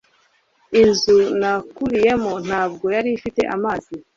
Inzu nakuriyemo ntabwo yari ifite amazi